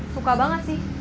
suka banget sih